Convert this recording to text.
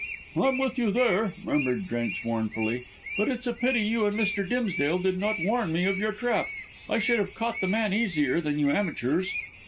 "I'm with you there," murmured Drench mournfully, "but it's a pity you and Mr. Dimsdale did not warn me of your trap. I should have caught the man easier than you amateurs."